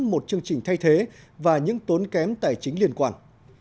một chương trình thay thế và những tốn kém tài chính liên quan